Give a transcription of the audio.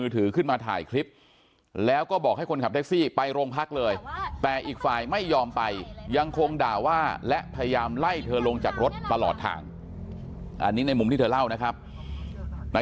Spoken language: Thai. ทำให้คนขับแท็กซี่โมโหหนักกว่าเดิมแล้วก็ด่าว่าเธอต่างนา